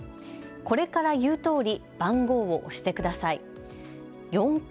これから言うとおり番号を押してください。